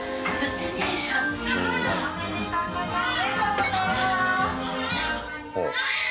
おめでとうございます。